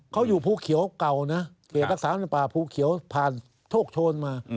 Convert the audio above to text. เขาอยู่ภูเขียวเก่านะเกี่ยวกับภูเขียวผ่านโทษโชนมา